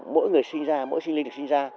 mỗi người sinh ra mỗi sinh linh được sinh ra